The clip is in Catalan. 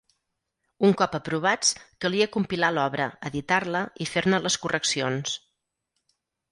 Un cop aprovats, calia compilar l'obra, editar-la i fer-ne les correccions.